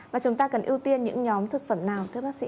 và chúng ta cần ưu tiên những nhóm thực phẩm nào